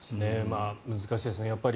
難しいですね。